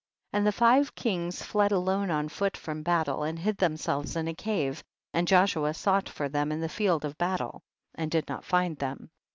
24. And the five kings fled alone on fool from battle, and hid them selves in a cave, and Joshua sought for them in the field of battle, and did not find them.